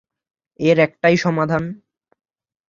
এর একটাই সমাধান।